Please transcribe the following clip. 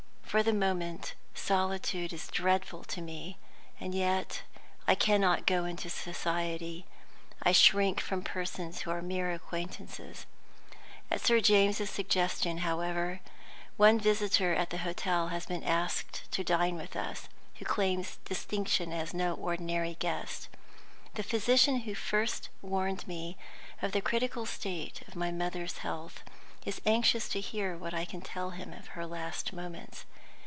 For the moment solitude is dreadful to me, and yet I cannot go into society; I shrink from persons who are mere acquaintances. At Sir James's suggestion, however, one visitor at the hotel has been asked to dine with us, who claims distinction as no ordinary guest. The physician who first warned me of the critical state of my mother's health is anxious to hear what I can tell him of her last moments.